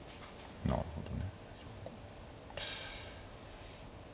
なるほどね。